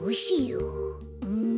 うん。